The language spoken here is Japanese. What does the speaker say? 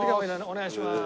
お願いしまーす。